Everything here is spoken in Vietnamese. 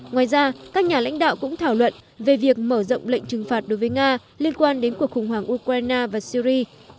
ngoài ra các nhà lãnh đạo cũng thảo luận về việc mở rộng lệnh trừng phạt đối với nga liên quan đến cuộc khủng hoảng ukraine và syri